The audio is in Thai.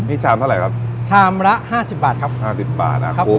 นี่ชามเท่าไหร่ครับชามละห้าสิบบาทครับห้าสิบบาทนะครับผม